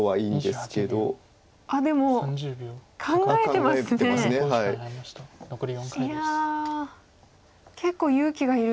いや結構勇気がいる。